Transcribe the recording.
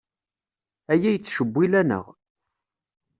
Aya yettcewwil-aneɣ.